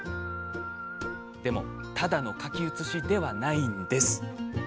でも、ただの書き写しではないんです。